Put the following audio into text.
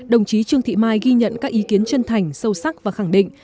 đồng chí trương thị mai ghi nhận các ý kiến chân thành sâu sắc và khẳng định